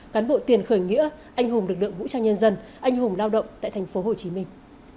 cán bộ tiền khởi nghĩa anh hùng lực lượng vũ trang nhân dân anh hùng lao động tại thành phố hồ chí minh